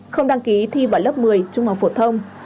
không đăng ký thi vào lớp một mươi trung học phổ thông